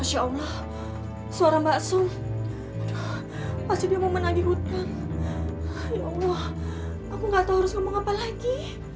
ya allah aku gak tau harus ngomong apa lagi